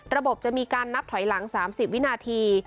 ระบบจะมีการนับถอยหลัง๓๐วินาที